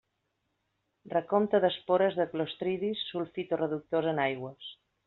Recompte d'espores de clostridis sulfito-reductors en aigües.